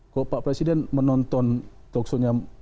kalau pak presiden menonton toksonya